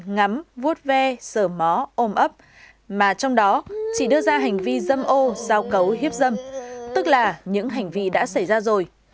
ngắm vút ve sờ mó ôm ấp mà trong đó chỉ đưa ra hành vi dâm ô giao cấu hiếp dâm tức là những hành vi đã xảy ra rồi